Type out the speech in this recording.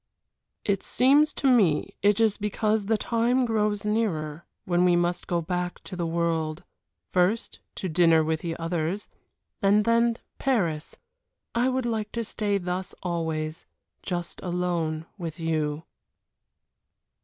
"It seems to me it is because the time grows nearer when we must go back to the world. First to dinner with the others, and then Paris. I would like to stay thus always just alone with you."